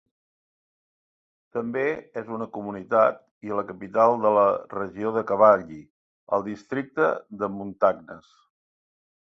També és una comunitat i la capital de la regió de Cavally, al districte de Montagnes.